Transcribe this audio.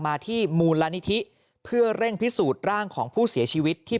มาที่มูลนิธิเพื่อเร่งพิสูจน์ร่างของผู้เสียชีวิตที่